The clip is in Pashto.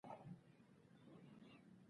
انسان لکه سپی دی، څو چې ورته اړ نه وي.